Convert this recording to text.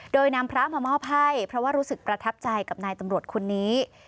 โดยนำพระมามอบให้เพราะว่ารู้สึกประทับใจกับนายตำรวจคนนี้